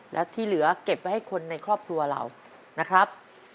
และที่เหลือเก็บไว้ให้คนในครอบครัวเรานะครับ